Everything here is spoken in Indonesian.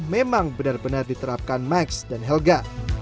memang benar benar diterapkan max dan helga